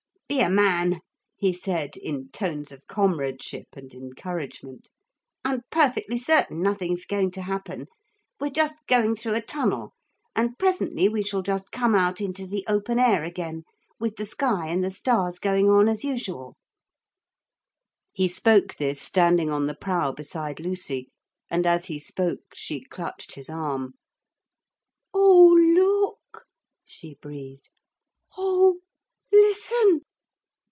'Be a man,' he said in tones of comradeship and encouragement. 'I'm perfectly certain nothing's going to happen. We're just going through a tunnel, and presently we shall just come out into the open air again, with the sky and the stars going on as usual.' He spoke this standing on the prow beside Lucy, and as he spoke she clutched his arm. 'Oh, look,' she breathed, 'oh, listen!'